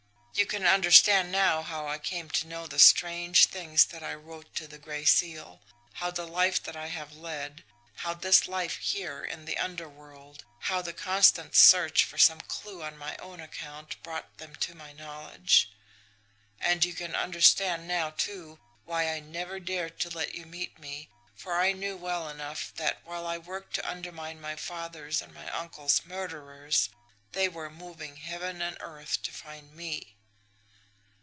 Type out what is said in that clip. You can understand now how I came to know the strange things that I wrote to the Gray Seal, how the life that I have led, how this life here in the underworld, how the constant search for some clew on my own account brought them to my knowledge; and you can understand now, too, why I never dared to let you meet me, for I knew well enough that, while I worked to undermine my father's and my uncle's murderers, they were moving heaven and earth to find me.